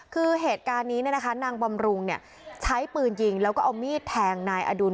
คือเหตุการณ์นี้เนี่ยนะคะนางบำรุงเนี่ยใช้ปืนยิงแล้วก็เอามีดแทงนายอดูล